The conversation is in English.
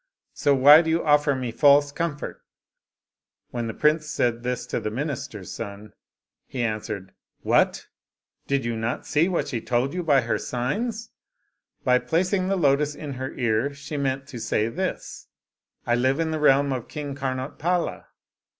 So why do you offer me false comfort?" When the prince said this to the minii$ter's son, he answered, " What ! did you not see, what she told you by her signs ? By placing the lotus in her ear, she meant to say this, ' I live in the realm of King Karnotpala.'